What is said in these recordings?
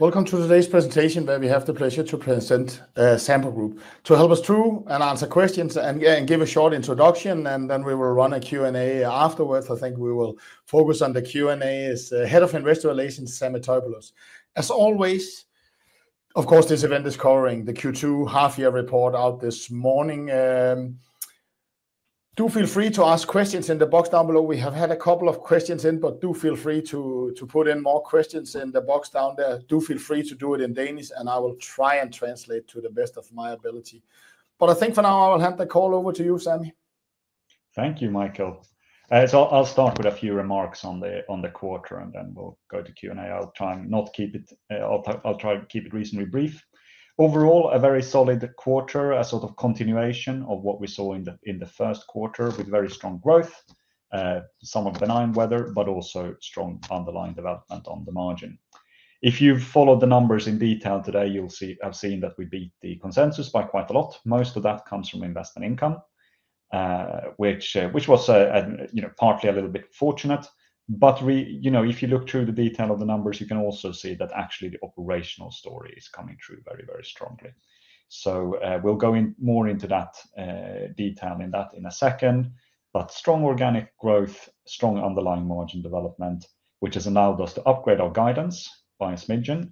Welcome to today's presentation where we have the pleasure to present Sampo Group. To help us through and answer questions and give a short introduction, we will run a Q&A afterwards. I think we will focus on the Q&A as Head of Investor Relations, Sami Taipalus. As always, of course, this event is covering the Q2 half-year report out this morning. Do feel free to ask questions in the box down below. We have had a couple of questions in, but do feel free to put in more questions in the box down there. Do feel free to do it in Danish, and I will try and translate to the best of my ability. For now, I will hand the call over to you, Sami. Thank you, Michael. I'll start with a few remarks on the quarter, and then we'll go to Q&A time. I'll try to keep it reasonably brief. Overall, a very solid quarter, a sort of continuation of what we saw in the first quarter with very strong growth, some of the benign weather, but also strong underlying development on the margin. If you follow the numbers in detail today, you'll see that we beat the consensus by quite a lot. Most of that comes from investment income, which was partly a little bit fortunate. If you look through the detail of the numbers, you can also see that actually the operational story is coming through very, very strongly. We'll go more into that detail in a second. Strong organic growth, strong underlying margin development, which has allowed us to upgrade our guidance by a smidgen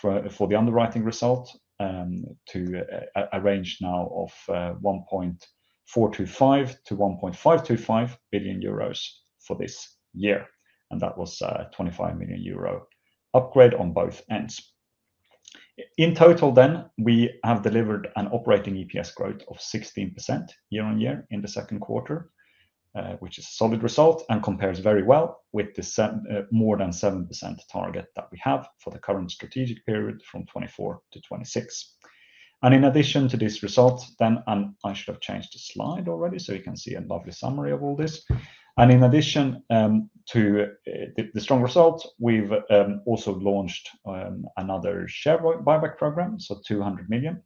for the underwriting result to a range now of 1.425 billion-1.525 billion euros for this year. That was a 25 million euro upgrade on both ends. In total, we have delivered an operating EPS growth of 16% year on year in the second quarter, which is a solid result and compares very well with the more than 7% target that we have for the current strategic period from 2024-2026. In addition to this result, I should have changed the slide already, so you can see a lovely summary of all this. In addition to the strong results, we've also launched another share buyback program, so 200 million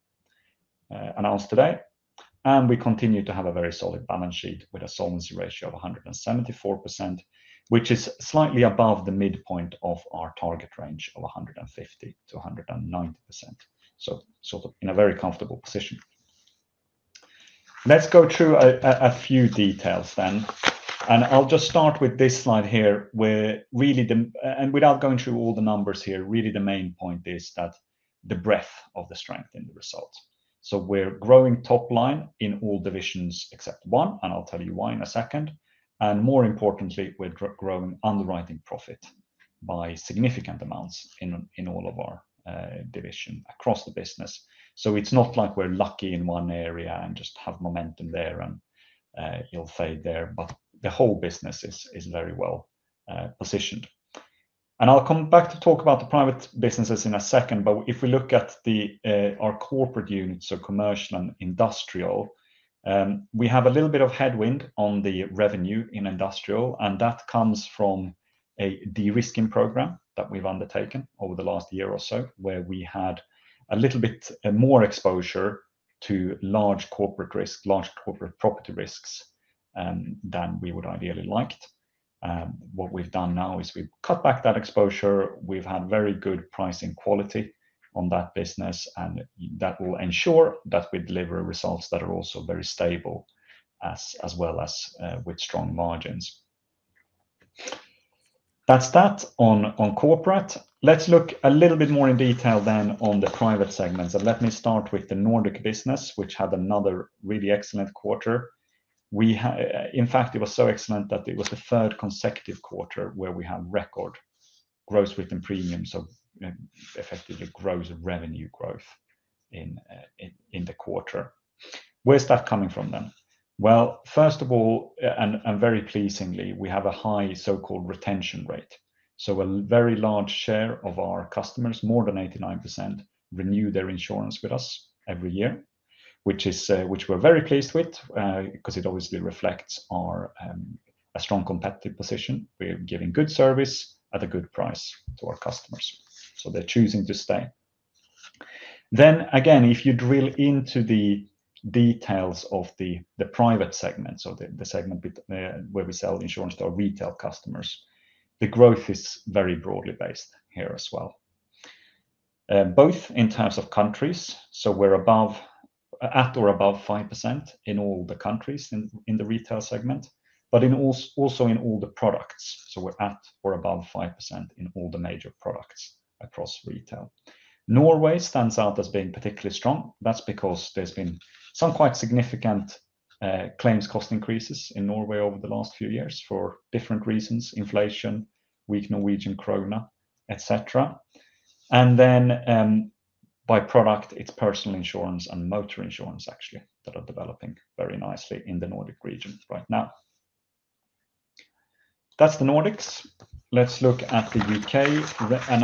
announced today. We continue to have a very solid balance sheet with a solvency ratio of 174%, which is slightly above the midpoint of our target range of 150%-190%. In a very comfortable position. Let's go through a few details then. I'll just start with this slide here where really, and without going through all the numbers here, really the main point is the breadth of the strength in the results. We're growing top line in all divisions except one, and I'll tell you why in a second. More importantly, we're growing underwriting profit by significant amounts in all of our divisions across the business. It's not like we're lucky in one area and just have momentum there and it'll fade there, but the whole business is very well positioned. I'll come back to talk about the private businesses in a second, but if we look at our corporate units, so commercial and industrial, we have a little bit of headwind on the revenue in industrial, and that comes from a de-risking program that we've undertaken over the last year or so, where we had a little bit more exposure to large corporate risk, large corporate property risks than we would ideally like. What we've done now is we've cut back that exposure. We've had very good pricing quality on that business, and that will ensure that we deliver results that are also very stable as well as with strong margins. That's that on corporate. Let's look a little bit more in detail then on the private segments. Let me start with the Nordic Business, which had another really excellent quarter. In fact, it was so excellent that it was the third consecutive quarter where we had record growth within premiums, so effectively growth of revenue growth in the quarter. Where's that coming from? First of all, and very pleasingly, we have a high so-called retention rate. A very large share of our customers, more than 89%, renew their insurance with us every year, which we're very pleased with because it obviously reflects a strong competitive position. We're giving good service at a good price to our customers, so they're choosing to stay. If you drill into the details of the private segment, so the segment where we sell insurance to our retail customers, the growth is very broadly based here as well. Both in terms of countries, we're at or above 5% in all the countries in the retail segment, but also in all the products. We're at or above 5% in all the major products across retail. Norway stands out as being particularly strong. That's because there's been some quite significant claims cost increases in Norway over the last few years for different reasons: inflation, weak Norwegian krona, etc. By product, it's personal insurance and motor insurance actually that are developing very nicely in the Nordic region right now. That's the Nordics. Let's look at the U.K.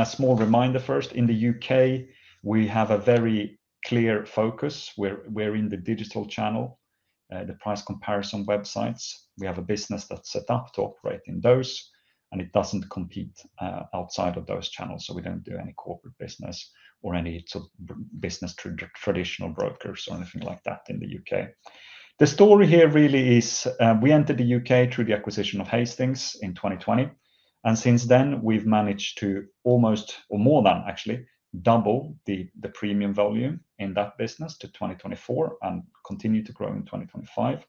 A small reminder first, in the U.K., we have a very clear focus. We're in the digital channel, the price comparison websites. We have a business that's set up to operate in those, and it doesn't compete outside of those channels. We don't do any corporate business or any sort of business through traditional brokers or anything like that in the U.K. The story here really is we entered the U.K. through the acquisition of Hastings in 2020. Since then, we've managed to almost, or more than actually, double the premium volume in that business to 2024 and continue to grow in 2025.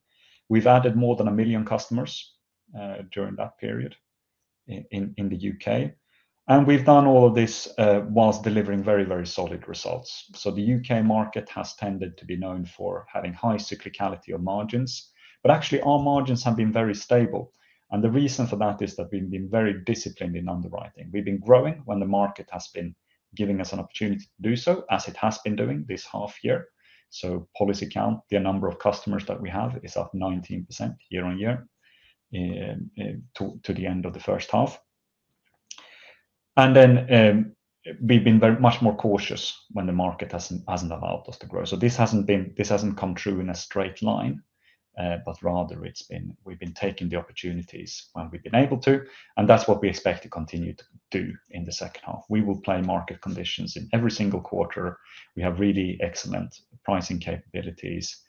We've added more than a million customers during that period in the U.K. We've done all of this whilst delivering very, very solid results. The U.K. market has tended to be known for having high cyclicality of margins. Actually, our margins have been very stable. The reason for that is that we've been very disciplined in underwriting. We've been growing when the market has been giving us an opportunity to do so, as it has been doing this half year. Policy count, the number of customers that we have, is up 19% year on year to the end of the first half. We've been very much more cautious when the market hasn't allowed us to grow. This hasn't come true in a straight line, but rather we've been taking the opportunities when we've been able to. That's what we expect to continue to do in the second half. We will play market conditions in every single quarter. We have really excellent pricing capabilities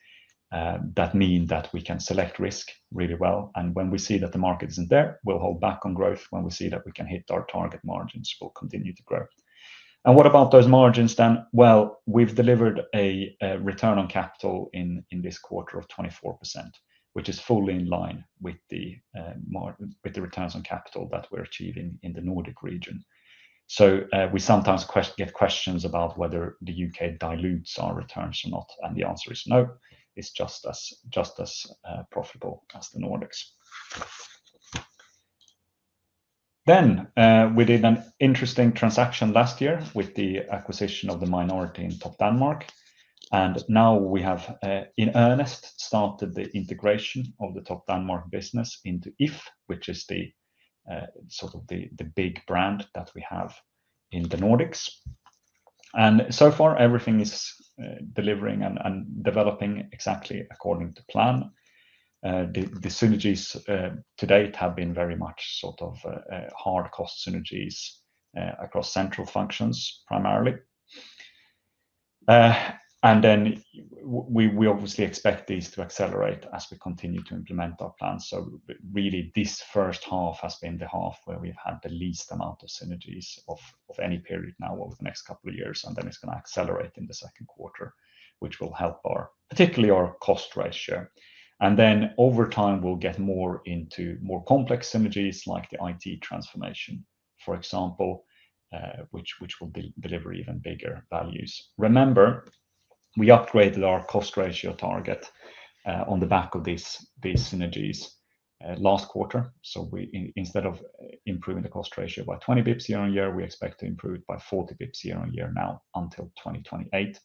that mean that we can select risk really well. When we see that the market isn't there, we'll hold back on growth. When we see that we can hit our target margins, we'll continue to grow. What about those margins then? We've delivered a return on capital in this quarter of 24%, which is fully in line with the returns on capital that we're achieving in the Nordic region. We sometimes get questions about whether the UK dilutes our returns or not. The answer is no. It's just as profitable as the Nordics. We did an interesting transaction last year with the acquisition of the minority in Topdanmark. Now we have, in earnest, started the integration of the Topdanmark business into If which is the sort of the big brand that we have in the Nordics. So far, everything is delivering and developing exactly according to plan. The synergies to date have been very much sort of hard cost synergies across central functions primarily. We obviously expect these to accelerate as we continue to implement our plans. This first half has been the half where we had the least amount of synergies of any period now over the next couple of years. It's going to accelerate in the second quarter, which will help our, particularly our cost ratio. Over time, we'll get more into more complex synergies like the IT transformation, for example, which will deliver even bigger values. Remember, we upgraded our cost ratio target on the back of these synergies last quarter. Instead of improving the cost ratio by 20 basis points year on year, we expect to improve it by 40 basis points year on year now until 2028,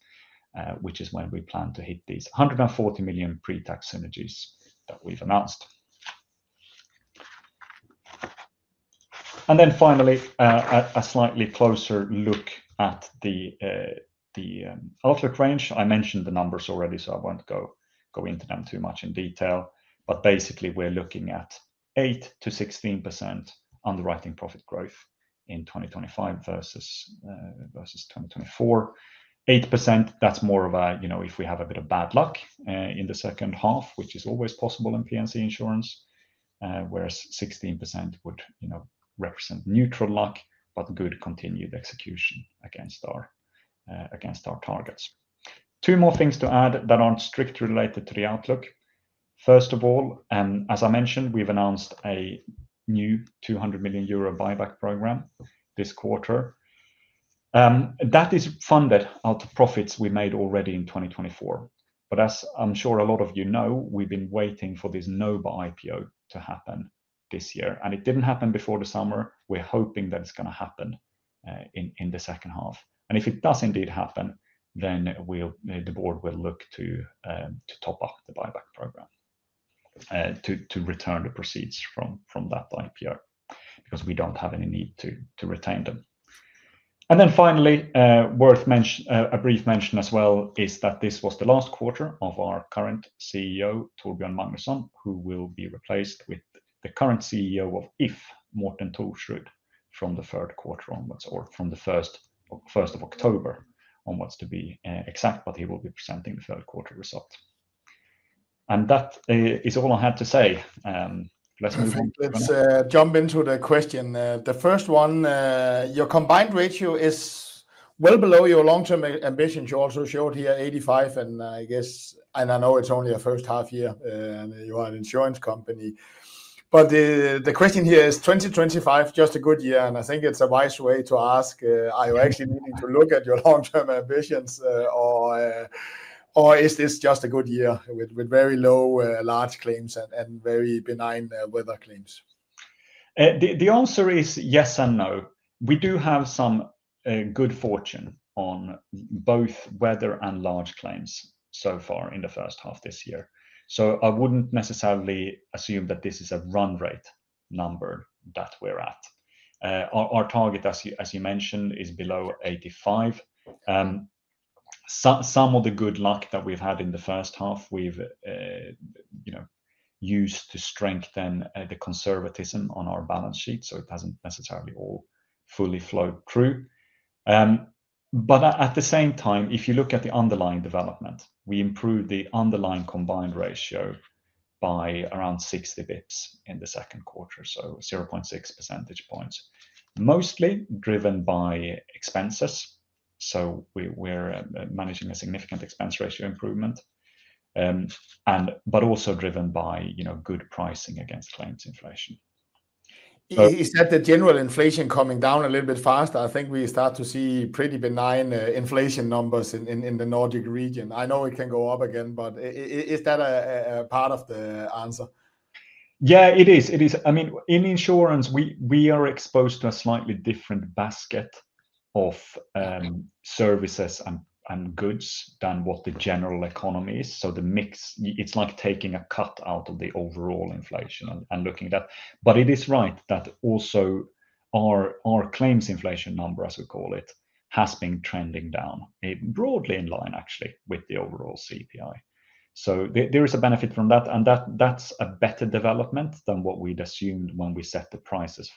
which is when we plan to hit these 140 million pre-tax synergies that we've announced. Finally, a slightly closer look at the outlook range. I mentioned the numbers already, so I won't go into them too much in detail. Basically, we're looking at 8%-16% underwriting profit growth in 2025 versus 2024. 8% is more of a, you know, if we have a bit of bad luck in the second half, which is always possible in P&C insurance, whereas 16% would represent neutral luck, but good continued execution against our targets. Two more things to add that aren't strictly related to the outlook. First of all, as I mentioned, we've announced a new 200 million euro buyback program this quarter. That is funded out of profits we made already in 2024. As I'm sure a lot of you know, we've been waiting for this Nobia IPO to happen this year. It didn't happen before the summer. We're hoping that it's going to happen in the second half. If it does indeed happen, then the board will look to top up the buyback program to return the proceeds from that IPO because we don't have any need to retain them. Finally, a brief mention as well is that this was the last quarter of our current CEO, Torbjörn Magnusson, who will be replaced with the current CEO of If Morten Thorsrud, from the first of October, to be exact, but he will be presenting the third quarter results. That is all I had to say. Let's jump into the question. The first one, your combined ratio is well below your long-term ambitions. You also showed here 85%, and I guess, and I know it's only a first half year and you are an insurance company. The question here is 2025 just a good year? I think it's a wise way to ask, are you actually needing to look at your long-term ambitions, or is this just a good year with very low large claims and very benign weather claims? The answer is yes and no. We do have some good fortune on both weather and large claims so far in the first half this year. I wouldn't necessarily assume that this is a run rate number that we're at. Our target, as you mentioned, is below 85. Some of the good luck that we've had in the first half, we've used to strengthen the conservatism on our balance sheet. It hasn't necessarily all fully flowed through. At the same time, if you look at the underlying development, we improved the underlying combined ratio by around 60 basis points in the second quarter, so 0.6 percentage points. Mostly driven by expenses. We're managing a significant expense ratio improvement, but also driven by good pricing against claims inflation. Is that the general inflation coming down a little bit faster? I think we start to see pretty benign inflation numbers in the Nordic region. I know it can go up again, but is that a part of the answer? Yeah, it is. I mean, in insurance, we are exposed to a slightly different basket of services and goods than what the general economy is. The mix, it's like taking a cut out of the overall inflation and looking at that. It is right that also our claims inflation number, as we call it, has been trending down broadly in line actually with the overall CPI. There is a benefit from that, and that's a better development than what we'd assumed when we set the prices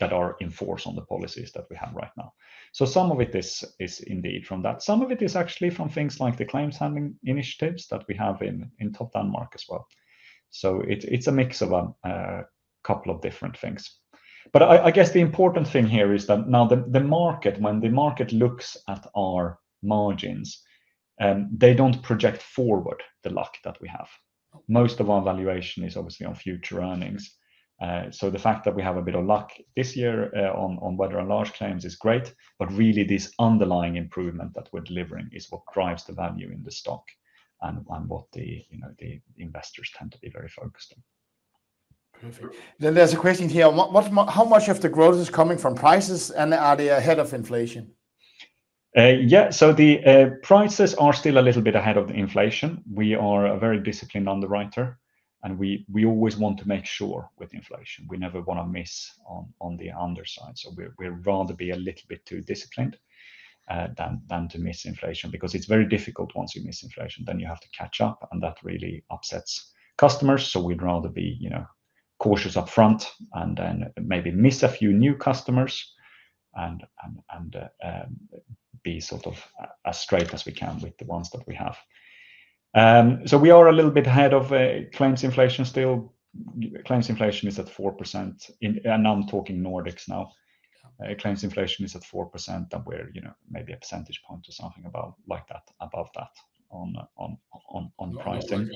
that are enforced on the policies that we have right now. Some of it is indeed from that. Some of it is actually from things like the claims handling initiatives that we have in Topdanmark as well. It's a mix of a couple of different things. I guess the important thing here is that now, when the market looks at our margins, they don't project forward the luck that we have. Most of our valuation is obviously on future earnings. The fact that we have a bit of luck this year on weather and large claims is great, but really this underlying improvement that we're delivering is what drives the value in the stock and what the investors tend to be very focused on. Perfect. There's a question here. How much of the growth is coming from prices, and are they ahead of inflation? Yeah, the prices are still a little bit ahead of the inflation. We are a very disciplined underwriter, and we always want to make sure with inflation. We never want to miss on the underside. We'd rather be a little bit too disciplined than to miss inflation because it's very difficult once you miss inflation. You have to catch up, and that really upsets customers. We'd rather be cautious upfront and then maybe miss a few new customers and be as straight as we can with the ones that we have. We are a little bit ahead of claims inflation still. Claims inflation is at 4%, and I'm talking Nordics now. Claims inflation is at 4%, and we're maybe a percentage point or something like that above that on pricing.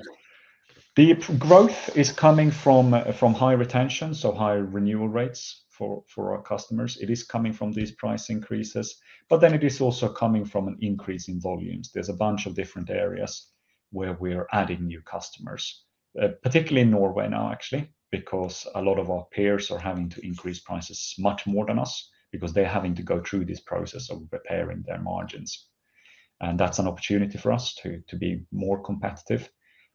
The growth is coming from high retention, so high renewal rates for our customers. It is coming from these price increases, but it is also coming from an increase in volumes. There are a bunch of different areas where we're adding new customers, particularly in Norway now actually, because a lot of our peers are having to increase prices much more than us because they're having to go through this process of repairing their margins. That's an opportunity for us to be more competitive,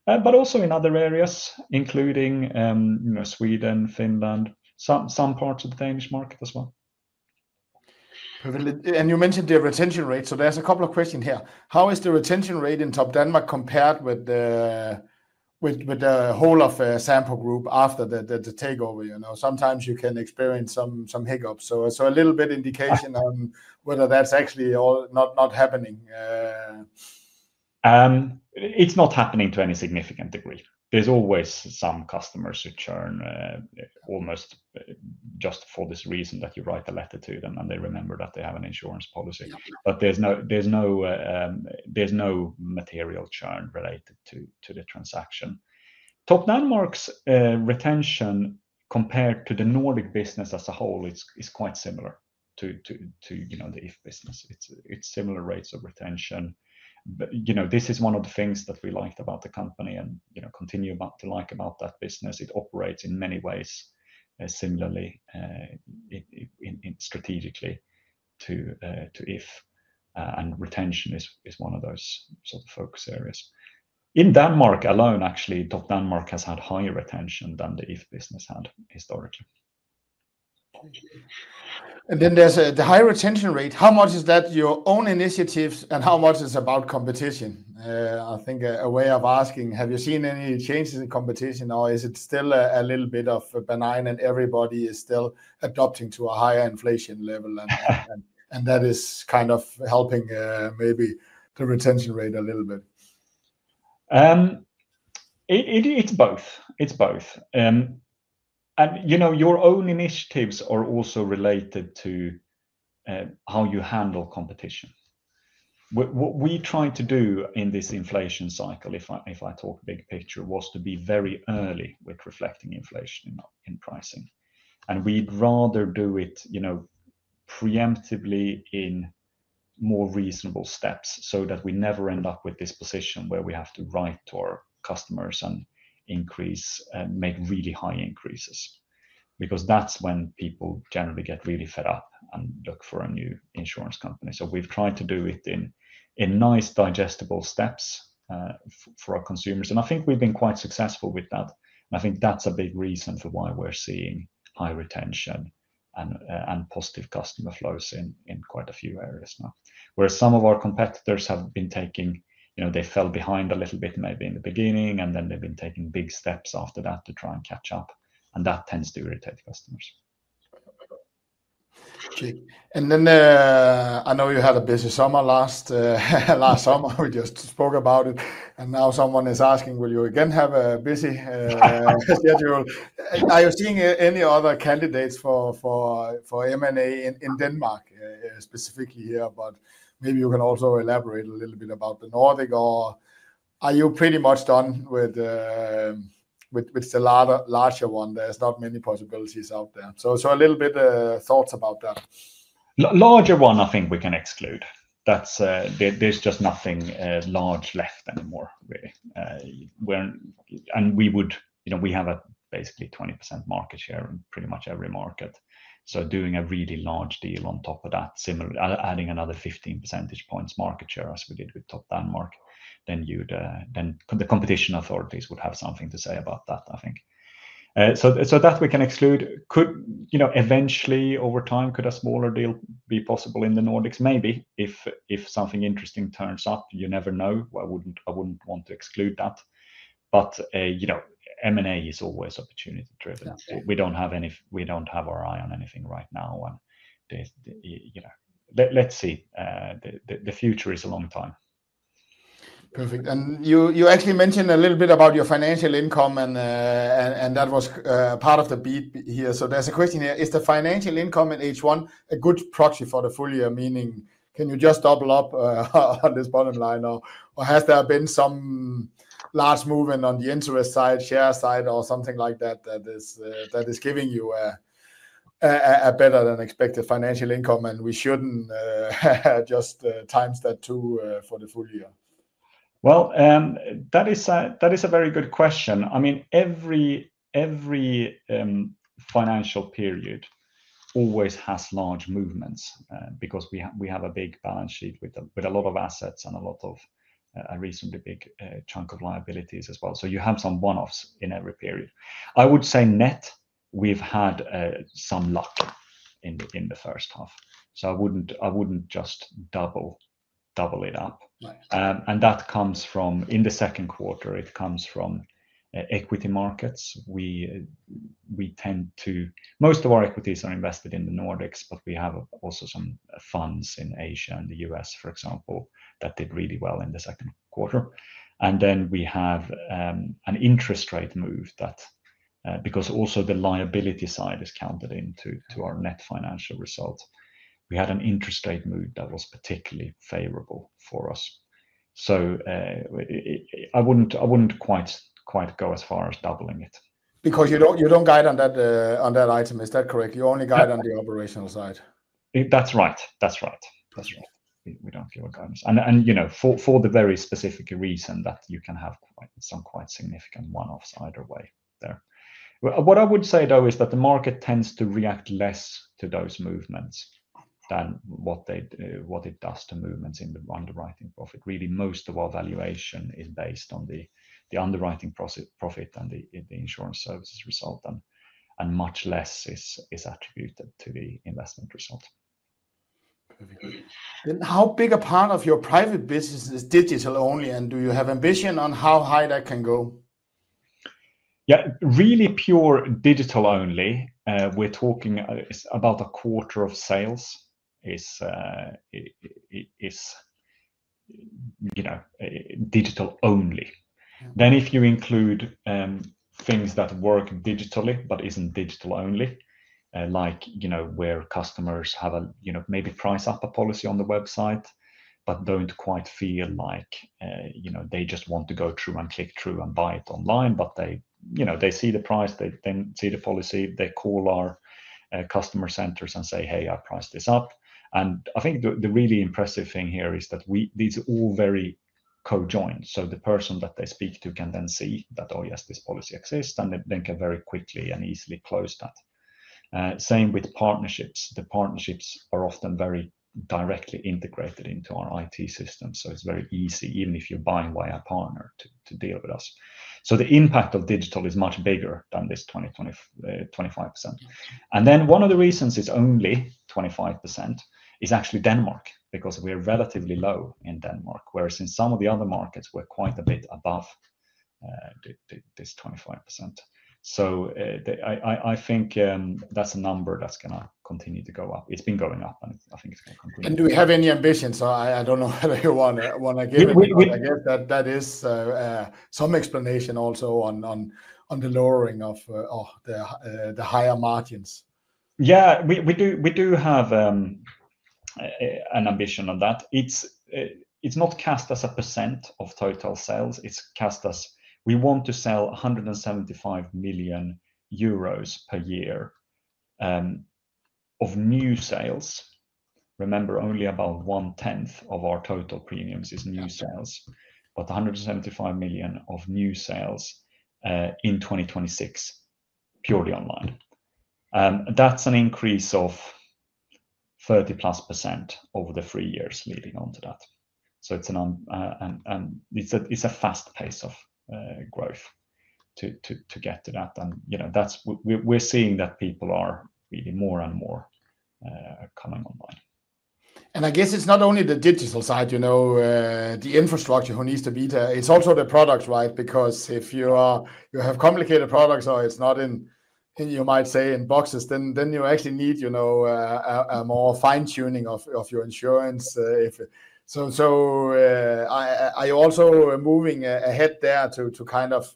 but also in other areas, including Sweden, Finland, and some parts of the Danish market as well. You mentioned the retention rate, so there's a couple of questions here. How is the retention rate in Topdanmark compared with the whole of Sampo Group after the takeover? Sometimes you can experience some hiccups, so a little bit of indication on whether that's actually not happening. It's not happening to any significant degree. There's always some customers who churn almost just for this reason that you write a letter to them, and they remember that they have an insurance policy. There's no material churn related to the transaction. Topdanmark's retention compared to the Nordic Business as a whole is quite similar to the If business. It's similar rates of retention. This is one of the things that we liked about the company and continue to like about that business. It operates in many ways similarly strategically to If, and retention is one of those sort of focus areas. In Denmark alone, actually, Topdanmark has had higher retention than the If business had historically. There's the higher retention rate. How much is that your own initiatives, and how much is it about competition? I think a way of asking, have you seen any changes in competition, or is it still a little bit benign, and everybody is still adopting to a higher inflation level, and that is kind of helping maybe the retention rate a little bit? It's both. You know your own initiatives are also related to how you handle competition. What we tried to do in this inflation cycle, if I talk big picture, was to be very early with reflecting inflation in pricing. We'd rather do it preemptively in more reasonable steps so that we never end up with this position where we have to write to our customers and make really high increases. That's when people generally get really fed up and look for a new insurance company. We've tried to do it in nice, digestible steps for our consumers. I think we've been quite successful with that. I think that's a big reason for why we're seeing high retention and positive customer flows in quite a few areas now. Some of our competitors fell behind a little bit maybe in the beginning, and then they've been taking big steps after that to try and catch up. That tends to irritate customers. I know you had a busy summer last summer. We just spoke about it. Someone is asking, will you again have a busy schedule? Are you seeing any other candidates for M&A in Denmark specifically here? Maybe you can also elaborate a little bit about the Nordic, or are you pretty much done with the larger one? There's not many possibilities out there. A little bit of thoughts about that. Larger one, I think we can exclude. There's just nothing large left anymore. We have basically 20% market share in pretty much every market. Doing a really large deal on top of that, adding another 15% market share as we did with Topdanmark, the competition authorities would have something to say about that, I think. That we can exclude. Eventually over time, could a smaller deal be possible in the Nordics? Maybe if something interesting turns up, you never know. I wouldn't want to exclude that. M&A is always opportunity-driven. We don't have our eye on anything right now. Let's see. The future is a long time. Perfect. You actually mentioned a little bit about your financial income, and that was part of the beat here. There's a question here. Is the financial income at H1 a good proxy for the full year, meaning can you just double up on this bottom line now? Has there been some large movement on the interest side, share side, or something like that that is giving you a better than expected financial income, and we shouldn't just times that by two for the full year? That is a very good question. Every financial period always has large movements because we have a big balance sheet with a lot of assets and a reasonably big chunk of liabilities as well. You have some one-offs in every period. I would say net we've had some luck in the first half. I wouldn't just double it up. That comes from, in the second quarter, equity markets. Most of our equities are invested in the Nordics, but we also have some funds in Asia and the U.S., for example, that did really well in the second quarter. We have an interest rate move that, because the liability side is also counted into our net financial result, was particularly favorable for us. I wouldn't quite go as far as doubling it. Because you don't guide on that item, is that correct? You only guide on the operational side? That's right. That's right. That's right. We don't do a guidance, for the very specific reason that you can have some quite significant one-offs either way there. What I would say though is that the market tends to react less to those movements than what it does to movements in the underwriting profit. Really, most of our valuation is based on the underwriting profit and the insurance services result, and much less is attributed to the investment result. Perfect. How big a part of your private business is digital only, and do you have ambition on how high that can go? Yeah, really pure digital only. We're talking about a quarter of sales is digital only. If you include things that work digitally but isn't digital only, like where customers maybe price up a policy on the website but don't quite feel like they just want to go through and click through and buy it online, they see the price, they see the policy, they call our customer centers and say, "Hey, I priced this up." I think the really impressive thing here is that these are all very cojoined. The person that they speak to can then see that, "Oh yes, this policy exists," and they can very quickly and easily close that. Same with partnerships. The partnerships are often very directly integrated into our IT system. It's very easy, even if you're buying via a partner, to deal with us. The impact of digital is much bigger than this 25%. One of the reasons it's only 25% is actually Denmark, because we're relatively low in Denmark, whereas in some of the other markets, we're quite a bit above this 25%. I think that's a number that's going to continue to go up. It's been going up, and I think it's going to. Do we have any ambition? I don't know whether you want to give it. I guess that is some explanation also on the lowering of the higher margins. Yeah, we do have an ambition on that. It's not cast as a % of total sales. It's cast as we want to sell 175 million euros per year of new sales. Remember, only about one-tenth of our total premiums is new sales, but 175 million of new sales in 2026, purely online. That's an increase of 30+% over the three years leading on to that. It's a fast pace of growth to get to that. You know, we're seeing that people are really more and more coming online. It's not only the digital side, you know, the infrastructure needs to be there. It's also the product, right? Because if you have complicated products or it's not in, you might say, in boxes, then you actually need a more fine-tuning of your insurance. You're also moving ahead there to kind of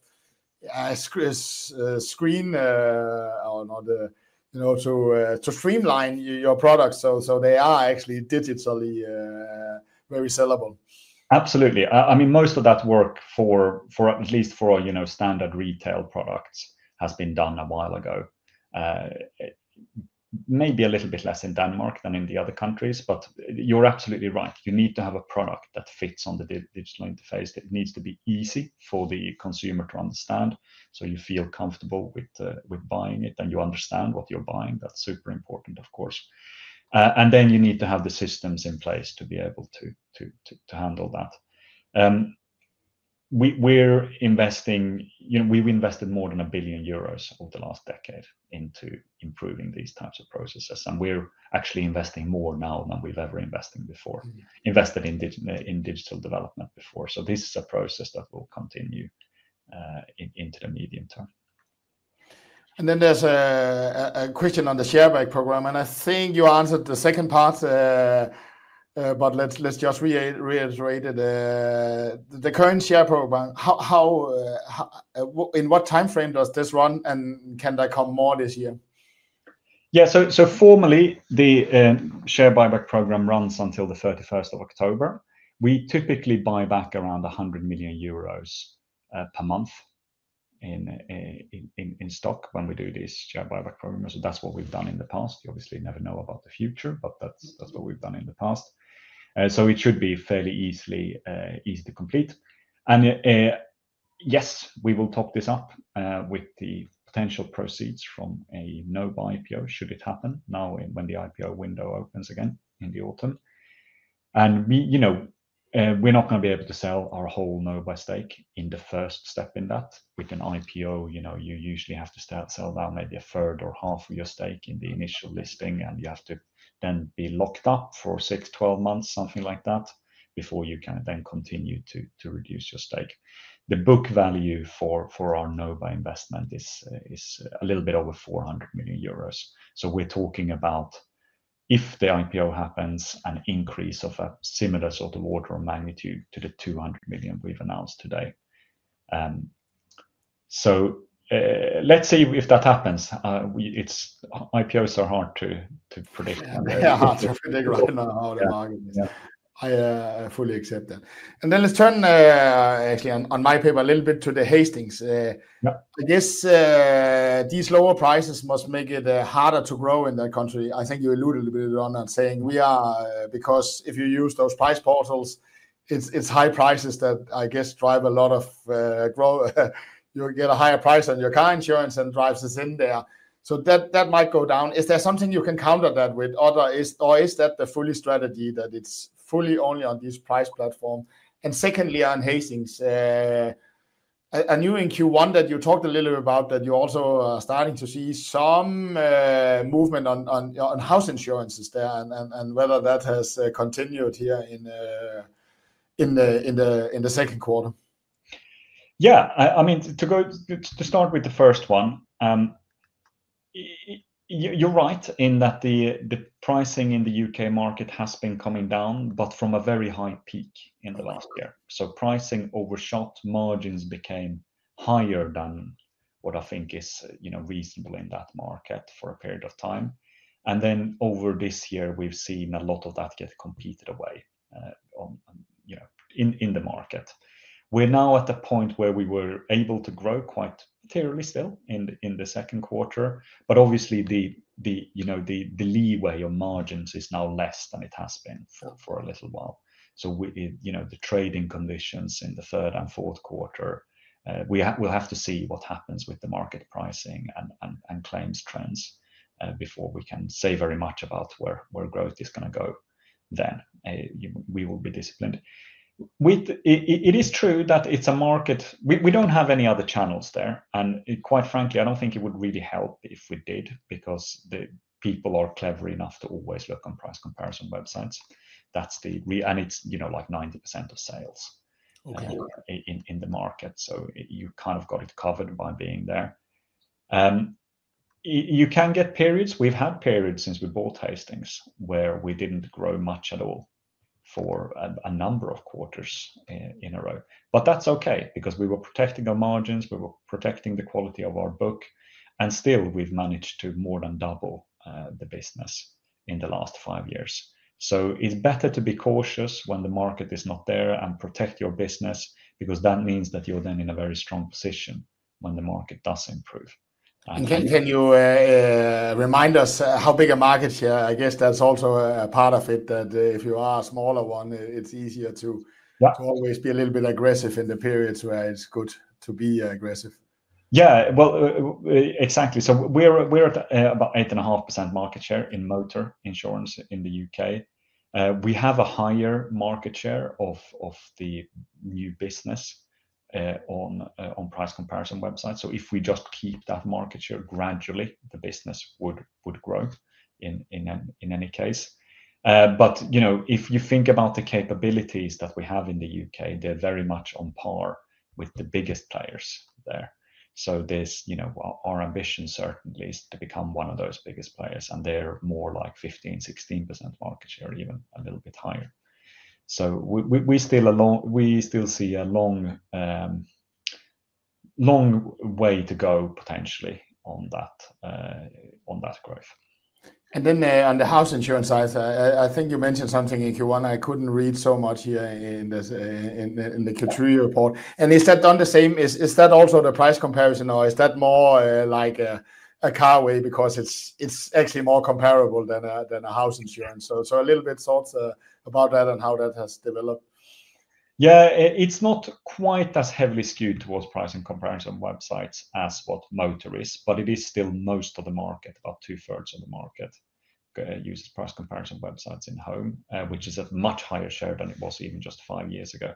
screen, or not, to streamline your products so they are actually digitally very sellable. Absolutely. I mean, most of that work, at least for our standard retail products, has been done a while ago. Maybe a little bit less in Denmark than in the other countries, but you're absolutely right. You need to have a product that fits on the digital interface. It needs to be easy for the consumer to understand so you feel comfortable with buying it and you understand what you're buying. That's super important, of course. You need to have the systems in place to be able to handle that. We're investing, we've invested more than 1 billion euros over the last decade into improving these types of processes. We're actually investing more now than we've ever invested before in digital development. This is a process that will continue into the medium term. There is a question on the share buy program. I think you answered the second part, but let's just reiterate it. The current share program, in what timeframe does this run and can there come more this year? Yeah, so formally, the share buyback program runs until the 31st of October. We typically buy back around 100 million euros per month in stock when we do this share buyback program. That's what we've done in the past. You obviously never know about the future, but that's what we've done in the past. It should be fairly easily complete. Yes, we will top this up with the potential proceeds from a NOBI IPO should it happen now when the IPO window opens again in the autumn. We're not going to be able to sell our whole NOBI stake in the first step in that. With an IPO, you usually have to start selling down maybe a third or half of your stake in the initial listing. You have to then be locked up for six, 12 months, something like that, before you can then continue to reduce your stake. The book value for our NOBI investment is a little bit over 400 million euros. We're talking about, if the IPO happens, an increase of a similar sort of order of magnitude to the 200 million we've announced today. Let's see if that happens. IPOs are hard to predict. Yeah, hard to predict. I don't know how to argue with that. I fully accept that. Let's turn actually on my paper a little bit to Hastings. I guess these lower prices must make it harder to grow in that country. I think you alluded a little bit to that, saying we are, because if you use those price portals, it's high prices that I guess drive a lot of growth. You'll get a higher price on your car insurance and drives us in there. That might go down. Is there something you can counter that with others, or is that the fully strategy that it's fully only on this price platform? Secondly, on Hastings, I knew in Q1 that you talked a little bit about that you also are starting to see some movement on house insurances there and whether that has continued here in the second quarter. Yeah, I mean, to start with the first one, you're right in that the pricing in the U.K. market has been coming down, but from a very high peak in the last year. Pricing overshot, margins became higher than what I think is reasonable in that market for a period of time. Over this year, we've seen a lot of that get competed away in the market. We're now at the point where we were able to grow quite terribly still in the second quarter, but obviously the leeway of margins is now less than it has been for a little while. The trading conditions in the third and fourth quarter, we'll have to see what happens with the market pricing and claims trends before we can say very much about where growth is going to go there. We will be disciplined. It is true that it's a market. We don't have any other channels there. Quite frankly, I don't think it would really help if we did because the people are clever enough to always look on price comparison websites. That's the, and it's like 90% of sales in the market. You kind of got it covered by being there. You can get periods. We've had periods since we bought Hastings where we didn't grow much at all for a number of quarters in a row. That's okay because we were protecting our margins, we were protecting the quality of our book, and still we've managed to more than double the business in the last five years. It's better to be cautious when the market is not there and protect your business because that means that you're then in a very strong position when the market does improve. Can you remind us how big a market share? I guess that's also a part of it, that if you are a smaller one, it's easier to always be a little bit aggressive in the periods where it's good to be aggressive. Exactly. We're at about 8.5% market share in motor insurance in the U.K. We have a higher market share of the new business on price comparison websites. If we just keep that market share gradually, the business would grow in any case. If you think about the capabilities that we have in the U.K., they're very much on par with the biggest players there. Our ambition certainly is to become one of those biggest players. They're more like 15%, 16% market share, even a little bit higher. We still see a long way to go potentially on that growth. On the house insurance side, I think you mentioned something in Q1. I couldn't read so much here in the Q3 report. Is that done the same? Is that also the price comparison, or is that more like a car way because it's actually more comparable than a house insurance? A little bit thoughts about that and how that has developed. Yeah, it's not quite as heavily skewed towards price and comparison websites as what motor is, but it is still most of the market. About two thirds of the market uses price comparison websites in home, which is a much higher share than it was even just five years ago.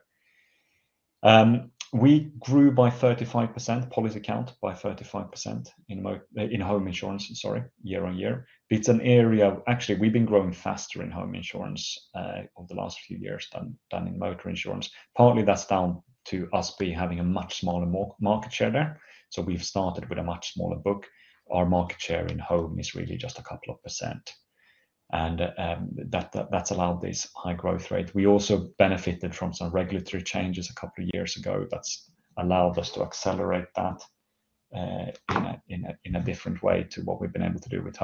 We grew by 35%, policy count by 35% in home insurance, year on year. It's an area we've been growing faster in home insurance over the last few years than in motor insurance. Partly that's down to us having a much smaller market share there, so we've started with a much smaller book. Our market share in home is really just a couple of percent, and that's allowed this high growth rate. We also benefited from some regulatory changes a couple of years ago that's allowed us to accelerate that in a different way to what we've been able to do with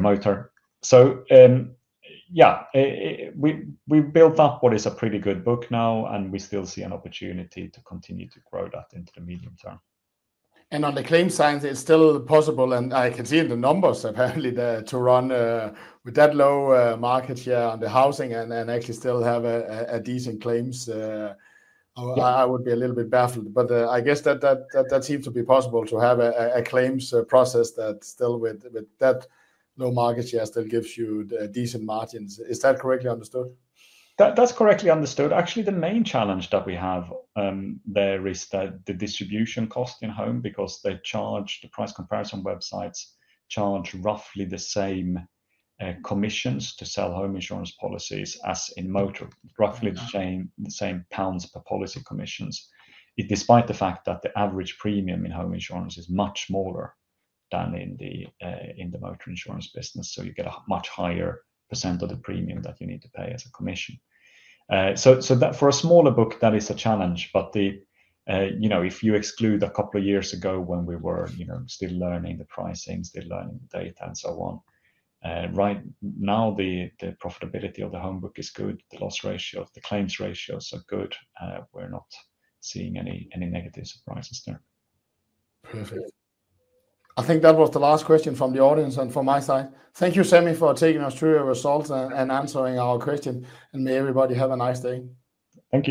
motor. Yeah, we built up what is a pretty good book now, and we still see an opportunity to continue to grow that into the medium term. On the claim side, it's still possible, and I can see in the numbers apparently to run with that low market share on the homeowner insurance and actually still have a decent claims. I would be a little bit baffled, but I guess that seems to be possible to have a claims process that still, with that low market share, still gives you decent margins. Is that correctly understood? That's correctly understood. Actually, the main challenge that we have there is that the distribution cost in home, because the price comparison websites charge roughly the same commissions to sell home insurance policies as in motor, roughly the same pounds per policy commissions, despite the fact that the average premium in home insurance is much smaller than in the motor insurance business. You get a much higher % of the premium that you need to pay as a commission. For a smaller book, that is a challenge. If you exclude a couple of years ago when we were still learning the pricing, still learning the data, and so on, right now the profitability of the home book is good. The loss ratio, the claims ratios are good. We're not seeing any negative surprises there. Perfect. I think that was the last question from the audience and from my side. Thank you, Sami, for taking us through your results and answering our questions. May everybody have a nice day. Thank you.